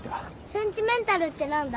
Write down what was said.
センチメンタルって何だ？